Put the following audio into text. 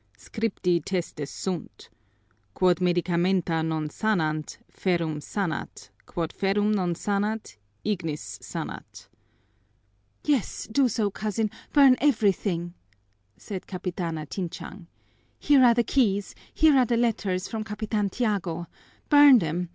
Scripti testes sunt! Quod medicamenta non sanant, ferrum sanat, quod ferrum non sanat, ignis sanat." "Yes, do so, cousin, burn everything!" said Capitana Tinchang. "Here are the keys, here are the letters from Capitan Tiago. Burn them!